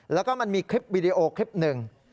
แล้วก็มันมีคลิปวิดีโอคลิปหนึ่ง